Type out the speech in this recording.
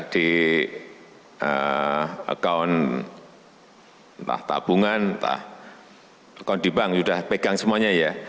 di akaun entah tabungan entah akan dibang sudah pegang semuanya ya